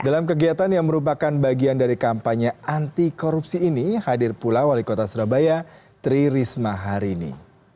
dalam kegiatan yang merupakan bagian dari kampanye anti korupsi ini hadir pula wali kota surabaya tri risma harini